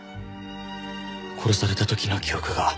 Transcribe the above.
殺された時の記憶が。